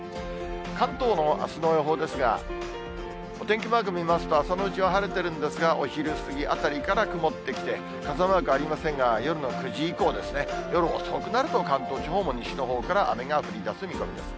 関東のあすの予報ですが、お天気マーク見ますと、朝のうちは晴れてるんですが、お昼過ぎあたりから曇ってきて、傘マークありませんが、夜の９時以降ですね、夜遅くなると、関東地方も西のほうから雨が降りだす見込みです。